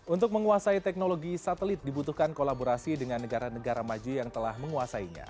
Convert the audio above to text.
untuk menguasai teknologi satelit dibutuhkan kolaborasi dengan negara negara maju yang telah menguasainya